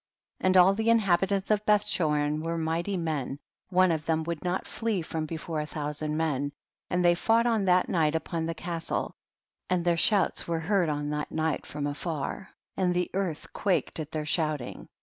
3. And all the inhabitants of Beth chorin were mighty men, one of them would not flee from before a thou sand men, and they fought on that night upon the castle, and their shouts were heard on that night from afar, and the earth quaked at their shouting.